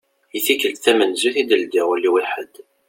I tikkelt tamenzut i d-ldiɣ ul-iw i ḥed.